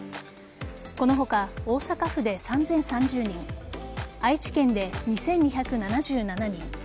この他、大阪府で３０３０人愛知県で２２７７人